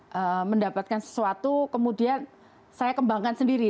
saya mendapatkan sesuatu kemudian saya kembangkan sendiri